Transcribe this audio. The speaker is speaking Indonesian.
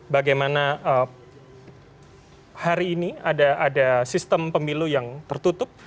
bagaimana hari ini ada sistem pemilu yang tertutup